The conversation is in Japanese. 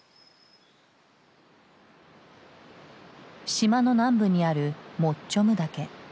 島の南部にあるモッチョム岳。